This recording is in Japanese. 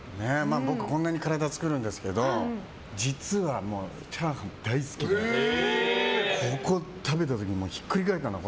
僕こんなに体作るんですけど実はチャーハン大好きでここを食べた時ひっくり返るかと思って。